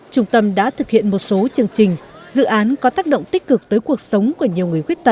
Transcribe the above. trung tâm đã thực hiện một số chương trình dự án có tác động tích cực tới cuộc sống